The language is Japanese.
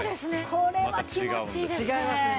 これは気持ちいいですね。